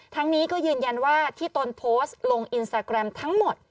ทั้งนี้ก็ยืนยันว่าที่ตนโพสต์ลงอินสตาแกรมทั้งหมด